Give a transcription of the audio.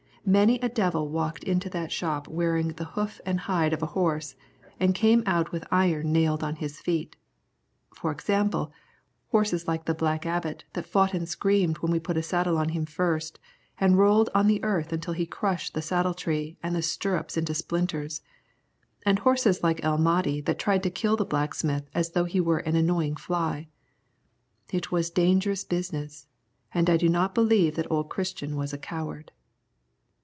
Many a devil walked into that shop wearing the hoof and hide of a horse and came out with iron nailed on his feet; for example, horses like the Black Abbot that fought and screamed when we put a saddle on him first and rolled on the earth until he crushed the saddle tree and the stirrups into splinters; and horses like El Mahdi that tried to kill the blacksmith as though he were an annoying fly. It was dangerous business, and I do not believe that old Christian was a coward.